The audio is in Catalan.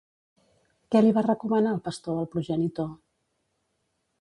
Què li va recomanar el pastor al progenitor?